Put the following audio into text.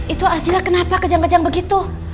itu hasilnya kenapa kejang kejang begitu